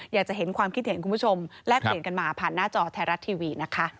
อยากจะเห็นความคิดเห็นคุณผู้ชมแลกเปลี่ยนกันมาผ่านหน้าจอไทยรัฐทีวีนะคะ